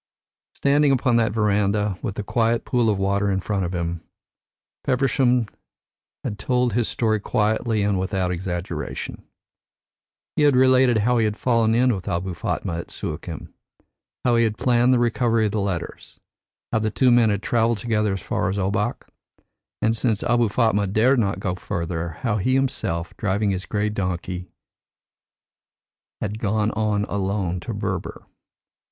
Standing upon that verandah, with the quiet pool of water in front of him, Feversham had told his story quietly and without exaggeration. He had related how he had fallen in with Abou Fatma at Suakin, how he had planned the recovery of the letters, how the two men had travelled together as far as Obak, and since Abou Fatma dared not go farther, how he himself, driving his grey donkey, had gone on alone to Berber.